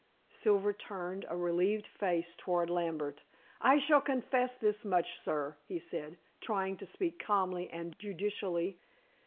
Silver turned a relieved face toward Lambert. "I shall confess this much, sir," he said, trying to speak calmly and judicially.